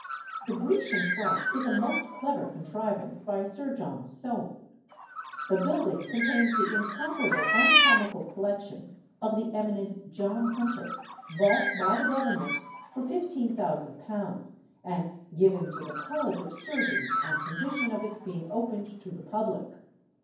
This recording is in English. The Grecian front is a most clever contrivance by Sir John Soane. The building contains the incomparable anatomical collection of the eminent John Hunter, bought by the Government for £15,000 and given to the College of Surgeons on condition of its being opened to the public.